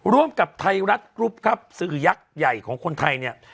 ร่วมกับไทยรัฐกรุ๊ปครับสื่อยักษ์ใหญ่ของคนไทยเนี่ย